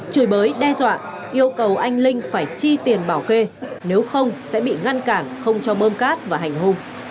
chửi bới đe dọa yêu cầu anh linh phải chi tiền bảo kê nếu không sẽ bị ngăn cản không cho bơm cát và hành hung